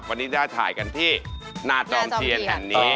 วันนี้จะถ่ายกันที่หน้าจอมเทียนแห่งนี้